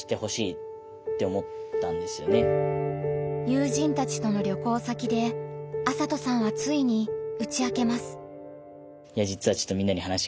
友人たちとの旅行先で麻斗さんはついに打ち明けます。